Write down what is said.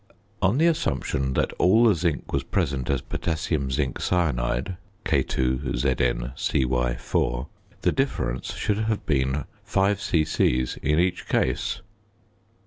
On the assumption that all the zinc was present as potassium zinc cyanide (K_ZnCy_) the difference should have been 5 c.c. in each case.